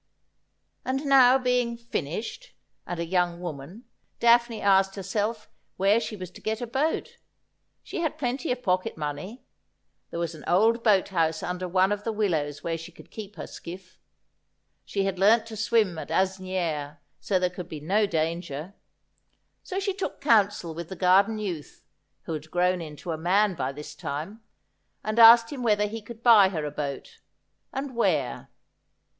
And now being ' finished,' and a young woman. Daphne asked herself where she was to get a boat. She had plenty of pocket money. There was an old boat house under one of the willows where she could keep her skiff. She had learnt to swim at Asnieres, so there could be no danger. So she took counsel 54 Aspliodel. with the garden youth, who had grown into a man by this time, and asked him whether he could buy her a boat, and where.